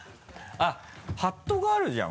ハットがあるじゃん！